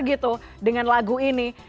gitu dengan lagu ini